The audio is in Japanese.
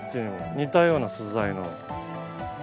似たような素材の。